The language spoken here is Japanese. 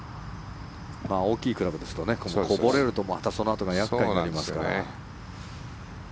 大きいクラブですとこぼれるとまた、そのあとが厄介になりますから。